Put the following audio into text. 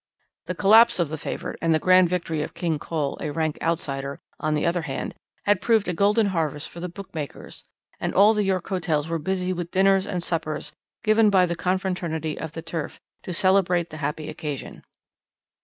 "The collapse of the favourite and the grand victory of King Cole, a rank outsider, on the other hand, had proved a golden harvest for the bookmakers, and all the York hotels were busy with dinners and suppers given by the confraternity of the Turf to celebrate the happy occasion.